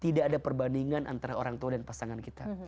tidak ada perbandingan antara orang tua dan pasangan kita